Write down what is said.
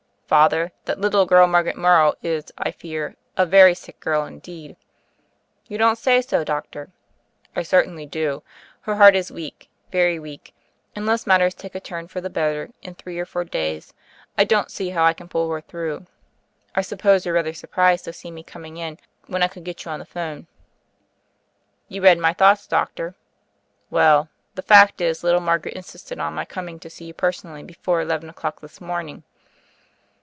"Father, that little girl Margaret Morrow IS, I fear, a very sick girl indeed." "You don't say. Doctor?" "I certainly do. Her heart is weak — ^very weak. Unless matters take a turn for the better in three or four days, I don't see how I can pull her through. I suppose you're rather surprised to see me coming in, when I could get you on the 'phone?" "You read my thoughts, Doctor." "Well, the fact is little Margaret insisted on my coming to see you personally before eleven o'clock this morning.